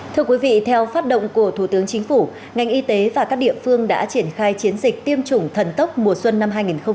thưa quý vị theo phát động của thủ tướng chính phủ ngành y tế và các địa phương đã triển khai chiến dịch tiêm chủng thần tốc mùa xuân năm hai nghìn hai mươi